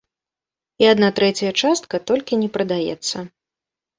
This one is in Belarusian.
І адна трэцяя частка толькі не прадаецца.